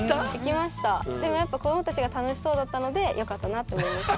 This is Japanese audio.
でもやっぱ子どもたちが楽しそうだったのでよかったなって思いました。